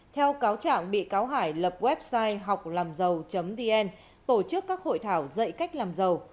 theo cáo trạng bị cáo hải lập website họclamdầu dn tổ chức các hội thảo dạy cách làm giàu